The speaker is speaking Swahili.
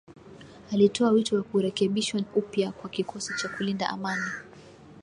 Alitoa wito wa kurekebishwa upya kwa kikosi cha kulinda amani